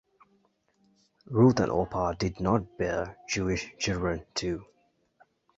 Ruth and Orpah did not bear Jewish children, too.